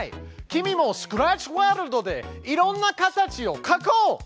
君もスクラッチワールドでいろんな形を描こう！